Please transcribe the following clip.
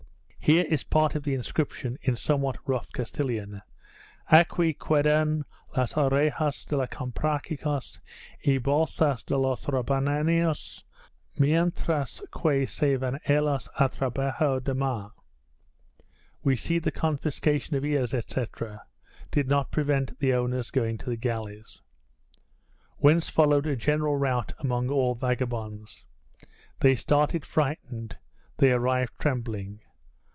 Here is part of the inscription in somewhat rough Castillan, Aqui quedan las orejas de los Comprachicos, y las bolsas de los robaniños, mientras que se van ellos al trabajo de mar. You see the confiscation of ears, etc., did not prevent the owners going to the galleys. Whence followed a general rout among all vagabonds. They started frightened; they arrived trembling.